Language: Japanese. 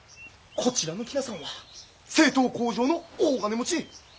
こちらの喜納さんは製糖工場の大金持ち。